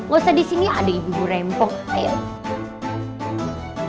gak usah di sini ada ibu ibu rempok air